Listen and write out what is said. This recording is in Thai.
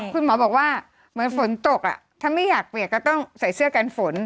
คุณหมอบอกว่าเหมือนฝนตกถ้าไม่อยากเปียกก็ต้องใส่เสื้อกันฝน